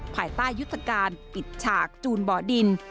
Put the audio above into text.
ภายใต้ยุทธการปิดฉากจูนเบาะดิน